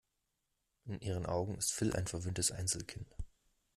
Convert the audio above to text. In ihren Augen ist Phil ein verwöhntes Einzelkind.